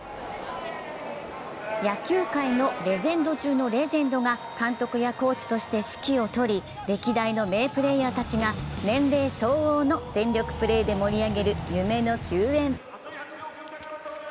野球界のレジェンド中のレジェンドが監督やコーチとして指揮を執り、歴代の名プレーヤーたちが年齢相応の全力プレーで盛り上げる夢の球宴。